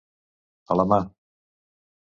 A la mà.